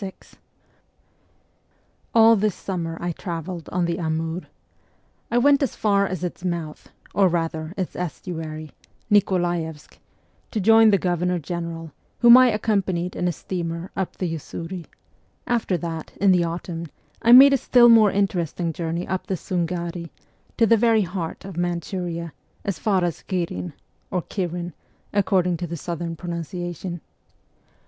VI ALL this summer I travelled on the Amur. I went as far as its mouth, or rather its estuary Nikolaevsk to join the Governor General, whom I accompanied in a steamer up the Usuri ; and after that, in the autumn, I made a still more interesting journey up the Sungari, to the very heart of Manchuria, as far as Ghirfn (or Kirin, according to the southern pronunciation).